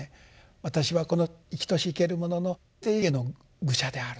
私はこの生きとし生けるものの底下の愚者であると。